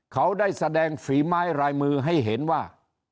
เขาได้แสดงฝีไม้ลายมือให้เห็นว่า